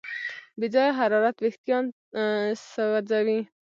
بې ځایه حرارت وېښتيان سوځوي.